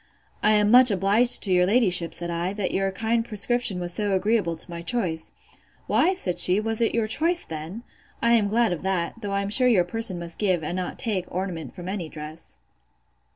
I am much obliged to your ladyship, said I, that your kind prescription was so agreeable to my choice. Why, said she, was it your choice then?—I am glad of that: though I am sure your person must give, and not take, ornament from any dress.